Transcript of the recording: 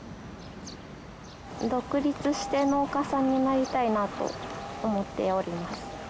独立して農家さんになりたいなと思っております。